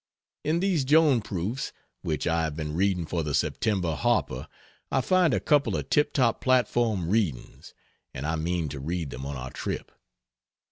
In these Joan proofs which I have been reading for the September Harper I find a couple of tip top platform readings and I mean to read them on our trip.